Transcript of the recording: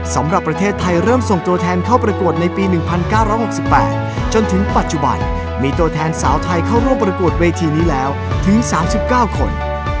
สำหรับประเทศไทยเริ่มส่งตัวแทนเข้าประกวดในปี๑๙๖๘จนถึงปัจจุบันมีตัวแทนสาวไทยเข้าร่วมประกวดเวทีนี้แล้วถึง๓๙คน